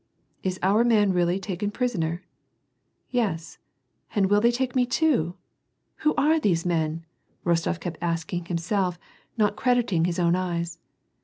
"Is our man really taken prisoner? Yes ! And will they take me too ? Who are these men ?" Kostof kept asking himself, not crediting his own eyes.